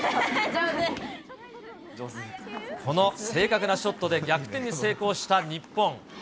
この正確なショットで、逆転に成功した日本。